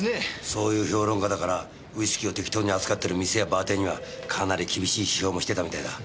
そういう評論家だからウイスキーを適当に扱ってる店やバーテンにはかなり厳しい批評もしてたみたいだ。